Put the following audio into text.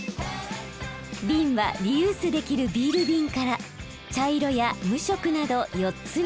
ビンはリユースできるビールビンから茶色や無色など４つに分別。